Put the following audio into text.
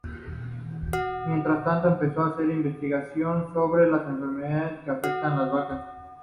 Mientras tanto, empezó a hacer investigación sobre las enfermedades que afectan a las vacas.